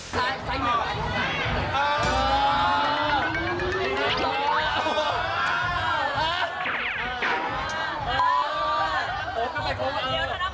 ซ้ายเหมือน